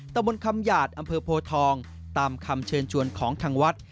ตะมนต์คำหยาดอำเภอโพทองตามคำเชิญชวนของทางวัด